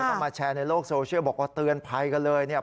เอามาแชร์ในโลกโซเชียลบอกว่าเตือนภัยกันเลยเนี่ย